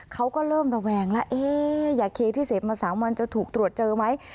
เขาก็เริ่มระแวงแล้วยาเคที่เสพมา๓วันจะถูกตรวจเจอไหม